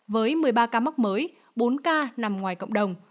với một mươi ba ca mắc mới bốn ca nằm ngoài cộng đồng